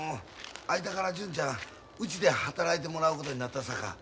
あいたから純ちゃんうちで働いてもらうことになったさか。